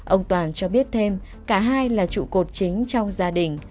ông toàn cho biết thêm cả hai là trụ cột chính trong gia đình